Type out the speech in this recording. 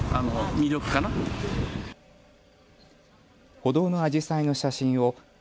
歩道のアジサイの写真を＃